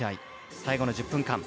最後の１０分間。